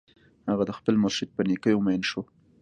هغه د خپل مرشد په نېکیو مین شو